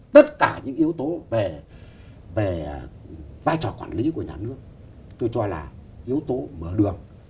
tất cả những yếu tố về vai trò quản lý của nhà nước tôi cho là yếu tố mở đường